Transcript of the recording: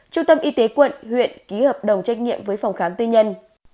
trung tâm y tế quận huyện ký hợp đồng trách nhiệm với phòng khám tư nhân